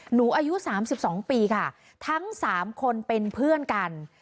อายุ๓๒ปีค่ะทั้ง๓คนเป็นเพื่อนกัน